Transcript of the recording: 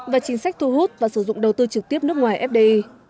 và chính sách thu hút và sử dụng đầu tư trực tiếp nước ngoài fdi